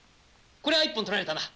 こりゃ一本取られたな。